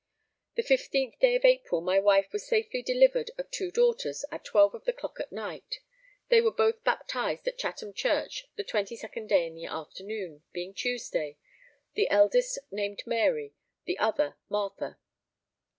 The 15th day of April my wife was safely delivered of two daughters at 12 of the clock at night: they were both baptized in Chatham Church the 22nd day in the afternoon, being Tuesday; the eldest named Mary; the other Martha.